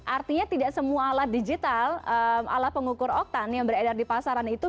artinya tidak semua alat digital ala pengukur oktan yang beredar di pasaran itu